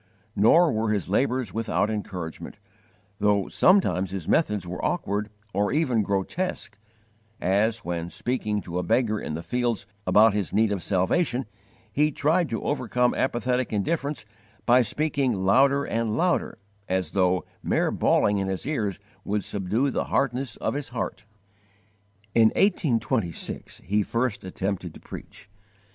Nor were his labours without encouragement, though sometimes his methods were awkward or even grotesque, as when, speaking to a beggar in the fields about his need of salvation, he tried to overcome apathetic indifference by speaking louder and louder, as though, mere bawling in his ears would subdue the hardness of his heart! In 1826 he first attempted to _preach.